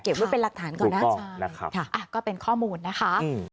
เกี่ยวกับเป็นรักฐานก่อนนะครับลูกกล้องนะครับอ่ะก็เป็นข้อมูลนะคะ